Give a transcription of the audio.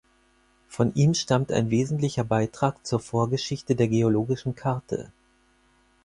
Von ihm stammt ein wesentlicher Beitrag zur Vorgeschichte der geologischen Karte.